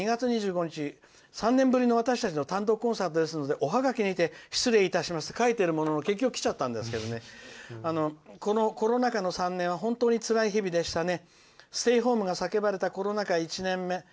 「今日はお伺いしたかったんですが２月２５日、３年ぶりの私たちの単独コンサートですのでおハガキにて失礼いたします」って書いてあるものの結局、きちゃったんですけど「このコロナ禍の３年は本当につらい日々でしたね。